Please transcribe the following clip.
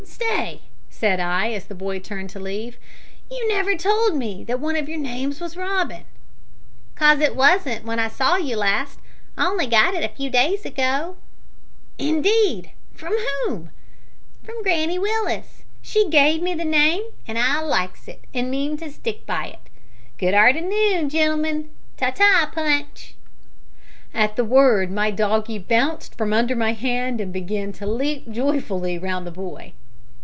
"Stay," said I, as the boy turned to leave, "you never told me that one of your names was Robin." "'Cause it wasn't w'en I saw you last; I only got it a few days ago." "Indeed! From whom?" "From Granny Willis. She gave me the name, an' I likes it, an' mean to stick by it Good arternoon, gen'lemen. Ta, ta, Punch." At the word my doggie bounced from under my hand and began to leap joyfully round the boy.